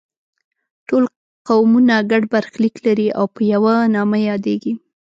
ټول قومونه ګډ برخلیک لري او په یوه نامه یادیږي.